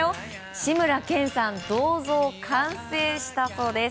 志村けんさん銅像完成したそうです。